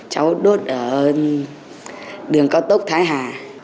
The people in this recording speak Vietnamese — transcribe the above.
cháu đốt ở đường cao tốc thái hà